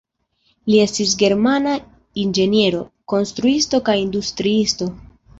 Li estis germana inĝeniero, konstruisto kaj industriisto.